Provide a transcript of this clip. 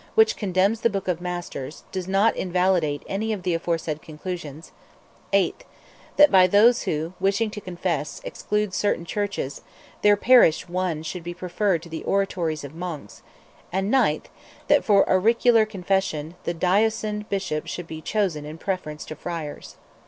which condemns the Book of Masters, does not invalidate any of the aforesaid conclusions; 8th, that by those who, wishing to confess, exclude certain churches, their parish one should be preferred to the oratories of monks; and 9th, that, for auricular confession, the diocesan, bishop should be chosen in preference to friars.